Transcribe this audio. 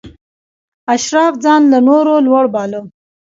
اشراف ځان له نورو لوړ باله.